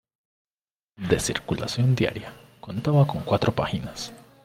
De circulación diaria, contaba con cuatro páginas.